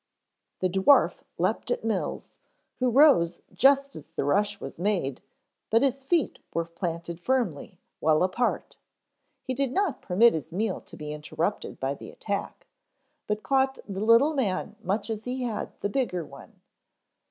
The dwarf leaped at Mills, who rose just as the rush was made, but his feet were planted firmly, well apart. He did not permit his meal to be interrupted by the attack, but caught the little man much as he had the bigger one.